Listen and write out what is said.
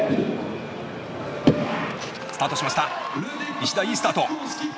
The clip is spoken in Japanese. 石田いいスタート。